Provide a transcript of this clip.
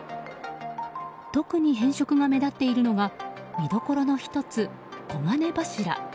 特に変色が目立っているのが見どころの１つ黄金柱。